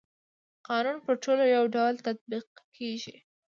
قانون پر ټولو يو ډول تطبيق کيږي.